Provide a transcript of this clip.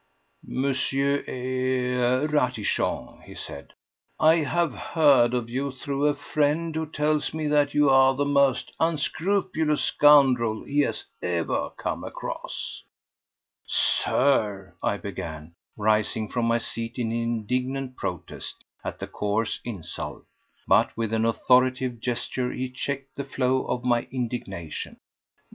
"M.—er—Ratichon," he said, "I have heard of you through a friend, who tells me that you are the most unscrupulous scoundrel he has ever come across." "Sir—!" I began, rising from my seat in indignant protest at the coarse insult. But with an authoritative gesture he checked the flow of my indignation.